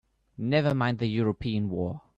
Never mind the European war!